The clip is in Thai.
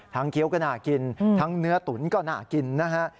เคี้ยวก็น่ากินทั้งเนื้อตุ๋นก็น่ากินนะฮะ